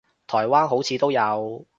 台灣好似都有